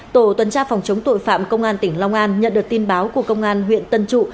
tổ tuần tra phòng chống tội phạm công an tỉnh long an nhận được tin báo của công an huyện tân trụ